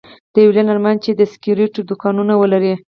د ويلين ارمان و چې د سګرېټو دوکانونه ولري.